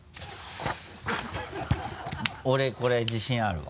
俺これ自信あるわ。